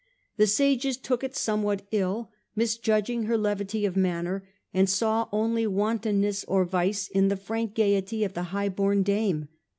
The sages took it somewhat ill, misjudg ing her levity of manner, and saw only wantonness or vice in the frank gaiety of the highborn dame.